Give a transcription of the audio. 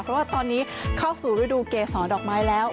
เพราะว่าตอนนี้เข้าสู่ฤดูเกษรดอกไม้แล้ว